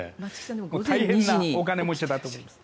大変なお金持ちだと思います。